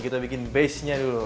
kita bikin basenya dulu